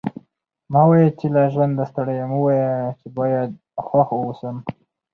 مه وايه! چي له ژونده ستړی یم؛ ووايه چي باید خوښ واوسم.